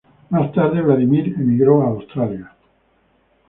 Más tarde, Vladimir emigró a Australia.